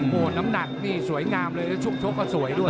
โอ้โหน้ำหนักนี่สวยงามเลยแล้วช่วงชกก็สวยด้วย